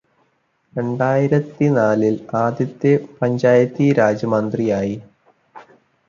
രണ്ടായിരത്തിനാലിൽ ആദ്യത്തെ പഞ്ചായത്തീരാജ് മന്ത്രിയായി.